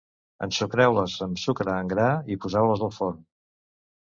Ensucreu-les amb sucre en gra i poseu-les al forn.